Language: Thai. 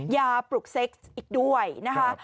ปลุกเซ็กซ์อีกด้วยนะคะ